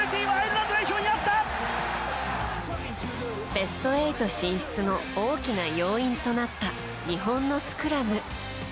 ベスト８進出の大きな要因となった日本のスクラム。